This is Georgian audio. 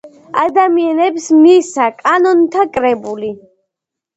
ადამიანებს მისცა კანონთა კრებული.